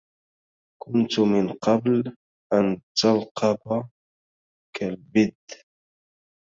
كنت من قبل أن تلقب كالبد